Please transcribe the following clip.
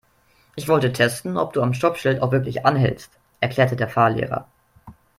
"Ich wollte testen, ob du am Stoppschild auch wirklich anhältst", erklärte der Fahrlehrer.